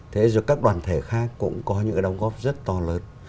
thế giới các đoàn thể khác cũng có những cái đồng góp rất to lớn